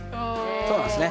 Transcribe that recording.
そうなんですね。